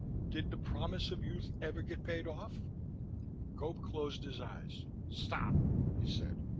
Did the promise of youth ever get paid off?" Gope closed his eyes. "Stop," he said.